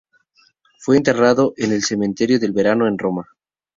Fue enterrado en el Cementerio del Verano, en Roma.